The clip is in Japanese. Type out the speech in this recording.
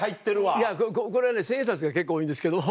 いやこれはね千円札が結構多いんですけど。